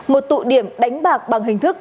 một tụ điểm đánh bạc bằng hình thức